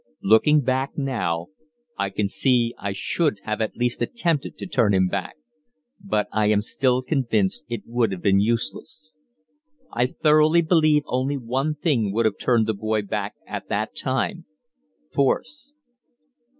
Looking back now, I can see I should have at least attempted to turn him back, but I am still convinced it would have been useless. I thoroughly believe only one thing would have turned the boy back at that time force.